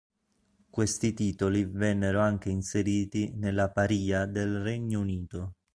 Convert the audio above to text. Questi titoli vennero anche inseriti nella Parìa del Regno Unito.